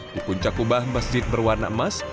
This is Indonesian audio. di puncak kubah masjid berwarna emas